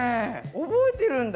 覚えてるんだ。